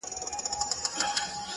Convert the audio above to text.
د ميني پر كوڅه ځي ما يوازي پــرېـــږدې”